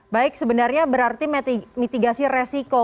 baik sebenarnya berarti mitigasi resiko